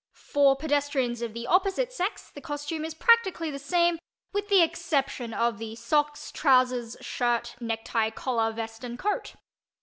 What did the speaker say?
For pedestrians of the "opposite" sex the costume is practically the same with the exception of the socks, trousers, shirt, necktie, collar, vest and coat.